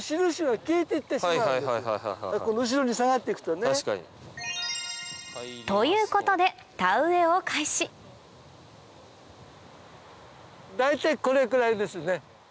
後ろに下がって行くとね。ということで大体これくらいですね。